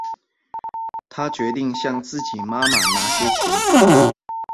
她决定向自己妈妈拿些钱